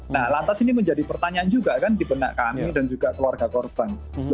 nah lantas ini menjadi pertanyaan juga kan di benak kami dan juga keluarga korban